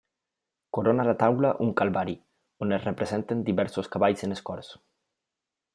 Corona la taula un Calvari, on es representen diversos cavalls en escorç.